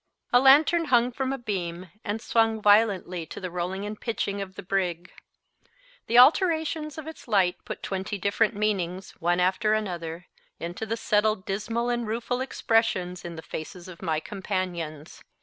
A lantern hung from a beam, and swung violently to the rolling and pitching of the brig. The alternations of its light put twenty different meanings, one after another, into the settled dismal and rueful expressions in the faces of my companions.